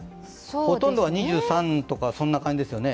ほとんどは２３とか、そんな感じですよね。